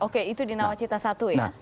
oke itu di nawacita satu ya